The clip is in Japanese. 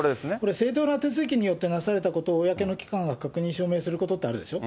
正当な手続きによってなされたことを公な機関が確認・証明することってあるでしょ。